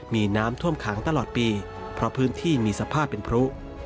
มีน้ำท่วมขังตลอดปีเพราะพื้นที่มีสภาพเป็นพลุ